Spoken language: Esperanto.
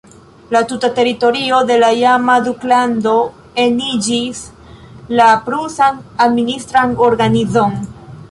La tuta teritorio de la iama duklando eniĝis la prusan administran organizon.